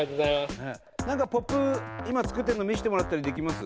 何かポップ今作ってるの見せてもらったりできます？